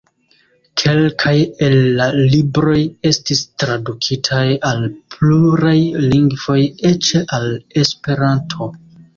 Kelkaj el la libroj estis tradukitaj al pluraj lingvoj, eĉ al Esperanto.